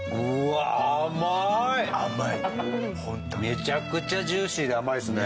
めちゃくちゃジューシーで甘いですね。